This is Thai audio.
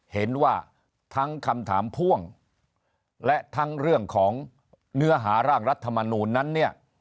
เห็นว่าทั้งคำถามพ่วงและทั้งเรื่องของเนื้อหาร่างรัฐมนูลนั้นเนี่ย